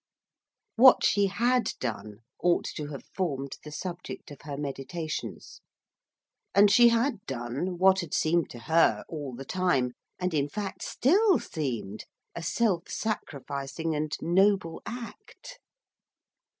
What she had done ought to have formed the subject of her meditations. And she had done what had seemed to her all the time, and in fact still seemed, a self sacrificing and noble act.